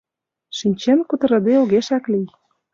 — Шинчен кутырыде огешак лий.